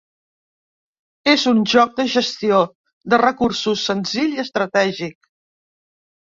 És un joc de gestió de recursos, senzill i estratègic.